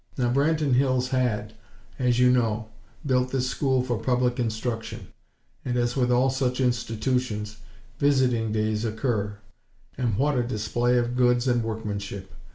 Now Branton Hills had, as you know, built this school for public instruction; and, as with all such institutions, visiting days occur. And what a display of goods and workmanship!